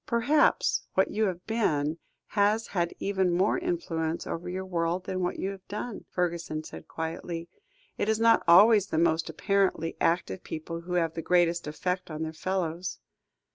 "Perhaps what you have been, has had even more influence over your world than what you have done," Fergusson said quietly; "it is not always the most apparently active people, who have the greatest effect on their fellows."